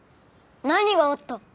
何があった？